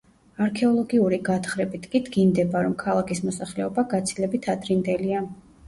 არქეოლოგიური გათხრებით კი დგინდება, რომ ქალაქის მოსახლეობა გაცილებით ადრინდელია.